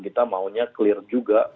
kita maunya clear juga